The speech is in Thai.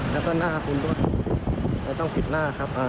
แล้วก็หน้าคุณด้วยแล้วต้องปิดหน้าครับ